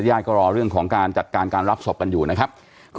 ก็รอเรื่องของการจัดการการรับศพกันอยู่นะครับ